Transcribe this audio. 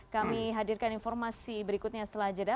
kami hadirkan informasi berikutnya setelah jeda